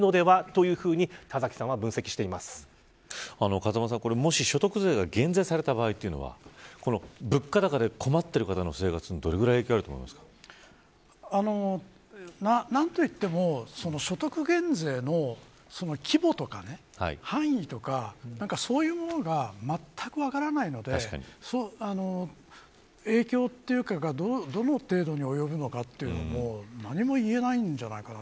風間さん、もし所得税が減税された場合というのは物価高で困っている方の生活にどれくらい影響が何といっても、所得減税の規模とか範囲とかそういうものがまったく分からないので影響がどの程度に及ぶのかというのも何も言えないんじゃないかな。